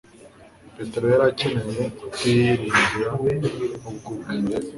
Petero yari akeneye kutiyiringira we ubwe,